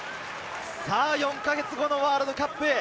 ４か月後のワールドカップ。